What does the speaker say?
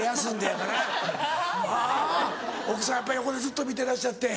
やっぱり横でずっと見てらっしゃって。